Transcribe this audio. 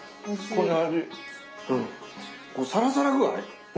このサラサラ具合。